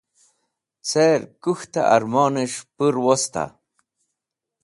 Cẽr k̃ũk̃htẽ ẽrmonẽs̃h pũr wosta?